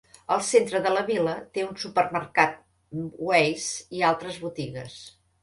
El centre de la vila té el supermercat Weis i altres botigues.